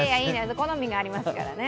好みがありますからね。